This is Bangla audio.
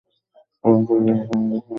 ওখানকার যাজক আমাকে সাহায্য করবে।